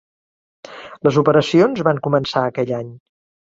Les operacions van començar aquell any.